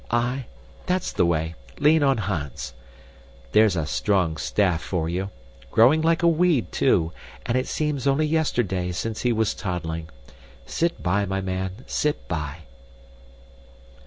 Aye, that's the way lean on Hans. There's a strong staff for you! Growing like a weed, too, and it seems only yesterday since he was toddling. Sit by, my man, sit by."